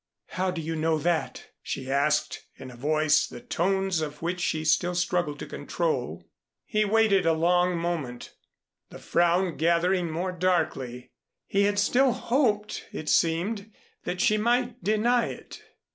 "How do you know that?" she asked in a voice the tones of which she still struggled to control. He waited a long moment, the frown gathering more darkly. He had still hoped, it seemed, that she might deny it.